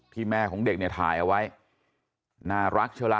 แม่ของเด็กเนี่ยถ่ายเอาไว้น่ารักเชียวล่ะ